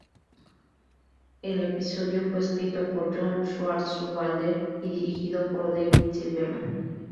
El episodio fue escrito por John Swartzwelder y dirigido por David Silverman.